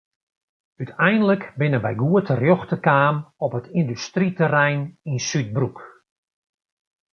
Uteinlik binne wy goed terjochte kaam op it yndustryterrein yn Súdbroek.